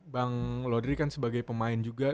bang laudrey kan sebagai pemain juga